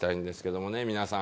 皆さん。